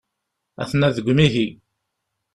Aten-a deg umihi.